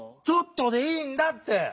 「ちょっと」でいいんだって！